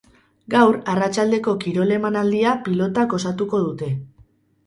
Gaur arratsaldeko kirol emanaldia pilotak osatuko dute.